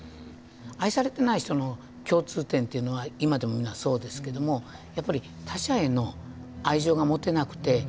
愛されてない人の共通点というのは今でもそうですけども他者への愛情が持てなくて。